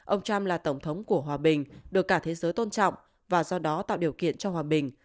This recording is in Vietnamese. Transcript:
ông trump là tổng thống của hòa bình được cả thế giới tôn trọng và do đó tạo điều kiện cho hòa bình